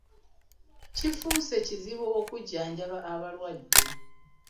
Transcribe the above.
Kifuuse kizibu okujjanjaba abalwadde.